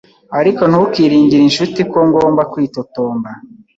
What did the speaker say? Ariko ntukiringire inshuti ko ngomba kwitotomba